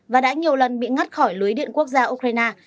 và đã nhiều lần bị ngắt khỏi lưới điện quốc gia ukraine